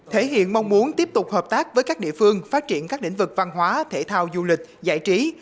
thể hiện mong muốn tiếp tục hợp tác với các địa phương phát triển các lĩnh vực văn hóa thể thao du lịch giải trí